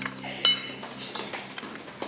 kita masih berdua